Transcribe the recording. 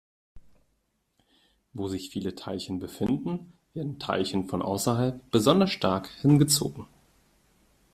Wo sich viele Teilchen befinden, werden Teilchen von außerhalb besonders stark hingezogen.